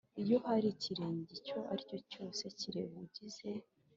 Iyo hari ikirego icyo ari cyo cyose kireba ugize